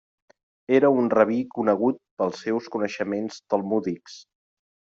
Era un rabí conegut pels seus coneixements talmúdics.